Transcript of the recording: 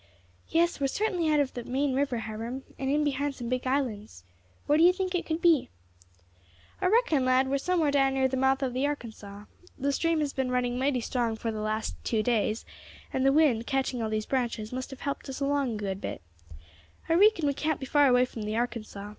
"Yes, we are certainly out of the main river, Hiram, and in behind some big islands. Where do you think it could be?" "I reckon, lad, we are somewhere down near the mouth of the Arkansas. The stream has been running mighty strong for the last two days, and the wind, catching all these branches, must have helped us along a good bit. I reekon we can't be far away from the Arkansas.